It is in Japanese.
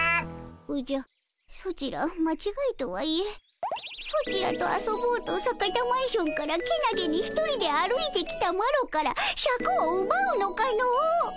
おじゃソチらまちがいとはいえソチらと遊ぼうと坂田マンションからけなげに一人で歩いてきたマロからシャクをうばうのかの。